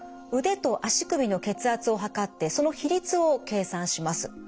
腕と足首の血圧を測ってその比率を計算します。